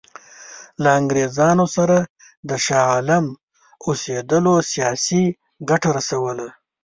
له انګرېزانو سره د شاه عالم اوسېدلو سیاسي ګټه رسوله.